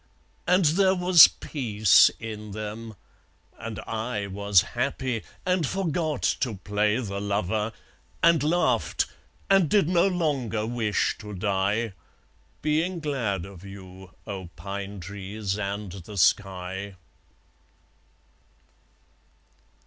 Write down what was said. And there was peace in them; and I Was happy, and forgot to play the lover, And laughed, and did no longer wish to die; Being glad of you, O pine trees and the sky!